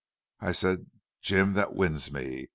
"I said 'Jim, that wins me.